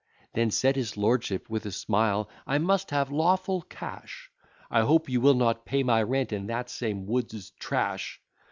Then said his lordship with a smile, "I must have lawful cash, I hope you will not pay my rent in that same Wood's trash!"